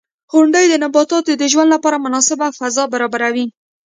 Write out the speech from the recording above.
• غونډۍ د نباتاتو د ژوند لپاره مناسبه فضا برابروي.